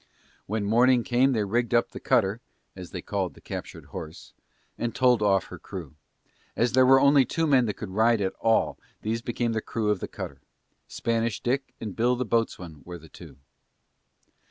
When morning came they rigged up the cutter as they called the captured horse and told off her crew. As there were only two men that could ride at all these became the crew of the cutter. Spanish Dick and Bill the Boatswain were the two.